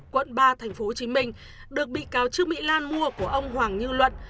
quận ba tp hcm được bị cáo trương mỹ lan mua của ông hoàng như luận